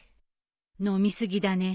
飲み過ぎだね。